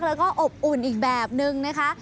แล้วก็อบอุ่นอีกแบบนึงนะคะ